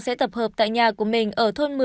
sẽ tập hợp tại nhà của mình ở thôn một mươi